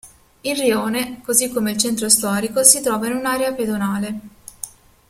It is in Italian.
Il rione, così come il centro storico, si trova in un'area pedonale.